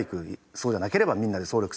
そうじゃなければみんなで総力戦。